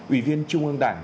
ủy viên trung ương đảng